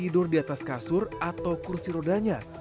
tidur di atas kasur atau kursi rodanya